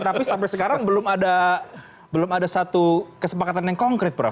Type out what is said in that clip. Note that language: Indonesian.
tapi sampai sekarang belum ada satu kesepakatan yang konkret prof